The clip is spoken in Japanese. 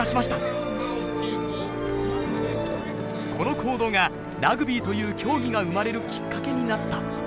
この行動がラグビーという競技が生まれるきっかけになったといわれています。